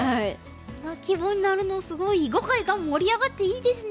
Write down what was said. この規模になるのすごい囲碁界が盛り上がっていいですね。